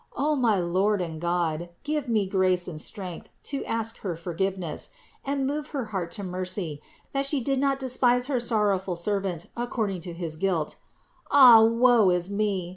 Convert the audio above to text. O my Lord and God, give me grace and strength to ask her forgiveness; and move her heart to mercy, that She do not despise her sorrowful servant according to his guilt. Ah woe is me!